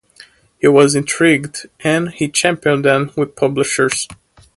He was intrigued and he championed them with publishers.